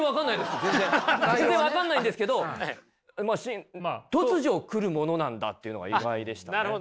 全然分かんないんですけど突如来るものなんだというのが意外でしたね。